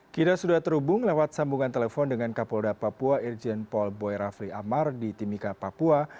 kita sudah terhubung lewat sambungan telepon dengan kapolda papua irjen paul boy rafli amar di timika papua